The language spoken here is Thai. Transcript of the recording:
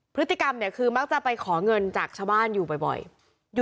พฤติกรรมเนี่ยคือมักจะไปขอเงินจากชาวบ้านอยู่บ่อย